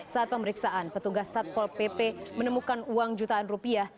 saat pemeriksaan petugas satpol pp menemukan uang jutaan rupiah